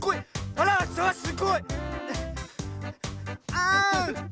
あん！